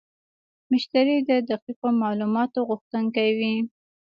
مشتری د دقیقو معلوماتو غوښتونکی وي.